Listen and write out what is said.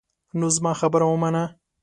نو زما خبره ومنه.